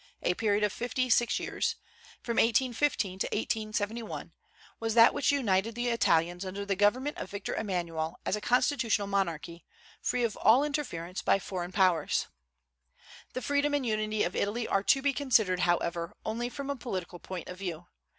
a period of fifty six years, from 1815 to 1871, was that which united the Italians under the government of Victor Emmanuel as a constitutional monarchy, free of all interference by foreign Powers. The freedom and unity of Italy are to be considered, however, only from a political point of view.